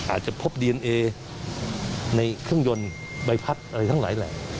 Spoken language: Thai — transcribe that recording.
อาจจะพบดีเอนเอในเครื่องยนต์ใบพัดอะไรทั้งหลายแหล่ง